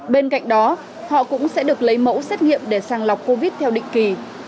bên cạnh đó họ cũng sẽ được lấy mẫu xét nghiệm để sàng lọc covid theo định kỳ